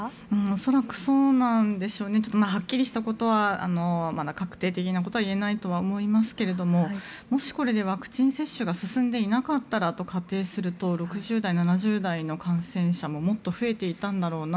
恐らくそうなんでしょうね。はっきりしたことは確定的なことは言えないと思いますがもし、これでワクチン接種が進んでいなかったらと仮定すると６０代、７０代の感染者ももっと増えていたんだろうな